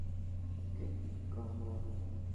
Okay, come on!